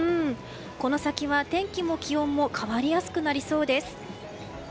この先は天気も気温も変わりやすくなりそうです。